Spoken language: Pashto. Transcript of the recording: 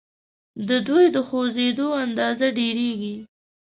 د دوی د خوځیدو اندازه ډیریږي.